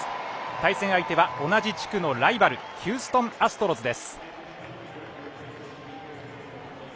対戦相手は同じ地区のライバルヒューストン・アストロズです。